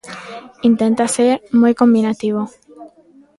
Intenta ser moi combinativo.